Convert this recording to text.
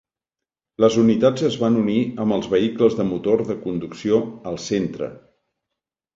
Les unitats es van unir amb els vehicles de motor de conducció al centre.